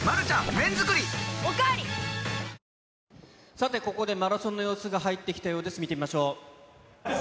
さて、ここでマラソンの様子が入ってきたようです。